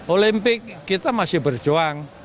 olimpik kita masih berjuang